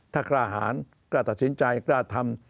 ถ้ากล้าหารกล้าตัดสินใจกล้าทำ